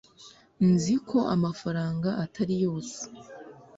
Nzi ko amafaranga atari yose